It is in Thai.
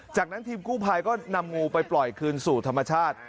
จากนั้นทีมกู้ภัยก็นำงูไปปล่อยคืนสู่ธรรมชาติ